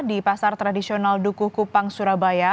di pasar tradisional dukuh kupang surabaya